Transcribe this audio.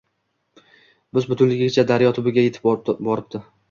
Bus-butunligicha daryo tubiga yetib boribdi